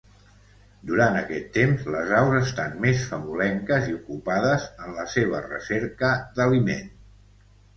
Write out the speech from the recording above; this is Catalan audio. Durant aquest temps, les aus estan més famolenques i ocupades en la seva recerca d'aliment.